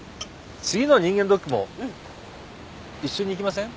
次の人間ドックも一緒に行きません？